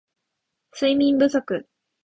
睡眠不足